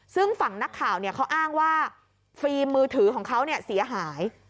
ซึ่งฝั่งนักข่าวเขาอ้างว่าฟิล์มมือถือของเขาเสียหาย